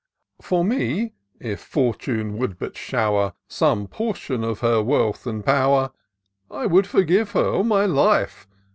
For me, if Fortune would but shower Some portion of her wealth and power, I would forgive her, on my life.